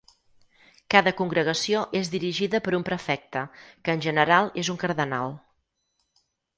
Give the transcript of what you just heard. Cada congregació és dirigida per un prefecte, que en general és un cardenal.